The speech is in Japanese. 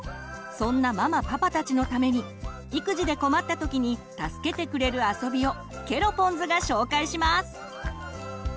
そんなママ・パパたちのために育児で困った時に助けてくれるあそびをケロポンズが紹介します。